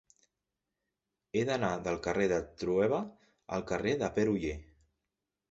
He d'anar del carrer de Trueba al carrer de Pere Oller.